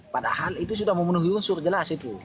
padahal itu sudah memenuhi unsur jelas itu